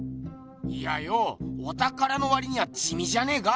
いやよぉおたからのわりにはじみじゃねえか？